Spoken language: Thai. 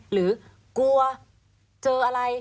หรือกลัวเจออะไร